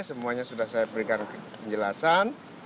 semuanya sudah saya berikan penjelasan